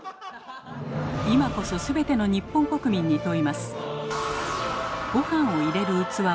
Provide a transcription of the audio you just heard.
今こそすべての日本国民に問います。